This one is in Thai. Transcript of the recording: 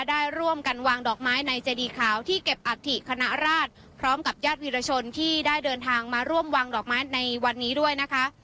ได้ร่วมกันวางดอกไม้ในเจดีขาวที่เก็บอัฐิคณะราชพร้อมกับญาติวิรชนที่ได้เดินทางมาร่วมวางดอกไม้ในวันนี้ด้วยนะคะ